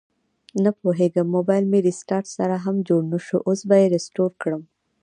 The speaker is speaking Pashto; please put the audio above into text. نپوهیږم مبایل مې ریسټارټ سره هم جوړ نشو، اوس به یې ریسټور کړم